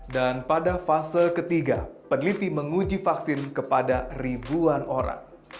dan pada fase ketiga peneliti menguji vaksin kepada ribuan orang